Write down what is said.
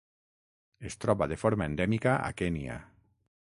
Es troba de forma endèmica a Kenya.